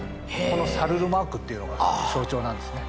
この沙留マークっていうのが象徴なんですね。